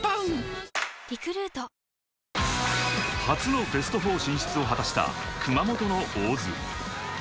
初のベスト４進出を果たした熊本の大津。